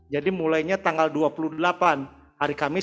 jadi mulainya tanggal dua puluh delapan hari kamis